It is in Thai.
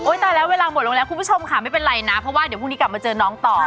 ตายแล้วเวลาหมดลงแล้วคุณผู้ชมค่ะไม่เป็นไรนะเพราะว่าเดี๋ยวพรุ่งนี้กลับมาเจอน้องต่อ